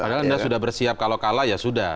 padahal anda sudah bersiap kalau kalah ya sudah